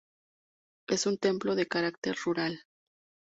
Es un templo de carácter rural.